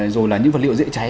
rồi là những vật liệu dễ cháy